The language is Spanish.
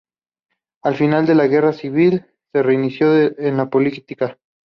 Al finalizar la guerra civil se inició en la política.